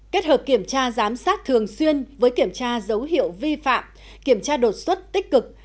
kết hợp kiểm tra giám sát thường xuyên với kiểm tra dấu hiệu vi phạm kiểm tra đột xuất tích cực